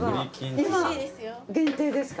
今限定ですか？